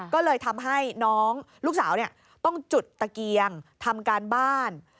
ก็เลยทำให้น้องลูกสาวต้องจุดตะเกียงทำการบ้าน